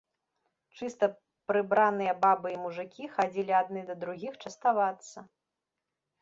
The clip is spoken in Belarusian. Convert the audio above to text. Чыста прыбраныя бабы і мужыкі хадзілі адны да другіх частавацца.